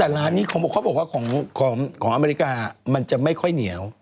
แต่ร้านนี้เขาบอกว่าของอเมริกามันจะไม่ค่อยเหนียว